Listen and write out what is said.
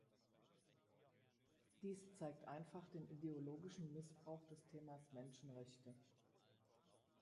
Dies zeigt einfach den ideologischen Missbrauch des Themas Menschenrechte.